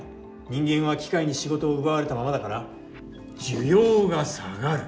人間は機械に仕事を奪われたままだから「需要」が下がる。